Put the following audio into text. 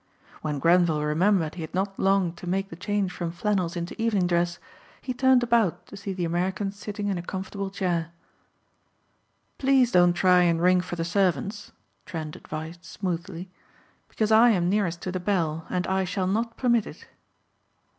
When Grenvil remembered he had not long to make the change from flannels into evening dress, he turned about to see the American sitting in a comfortable chair. "Please don't try and ring for the servants," Trent advised smoothly, "because I am nearest to the bell and I shall not permit it."